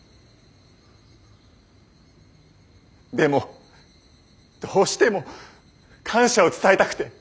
でもどうしても感謝を伝えたくて。